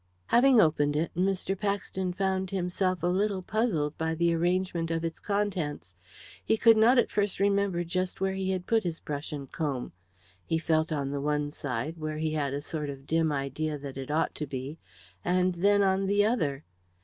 Having opened it, Mr. Paxton found himself a little puzzled by the arrangement of its contents. He could not at first remember just where he had put his brush and comb. He felt on the one side, where he had a sort of dim idea that it ought to be, and then on the other.